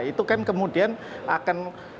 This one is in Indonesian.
itu kan kemudian akan